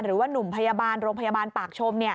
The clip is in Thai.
หนุ่มพยาบาลโรงพยาบาลปากชม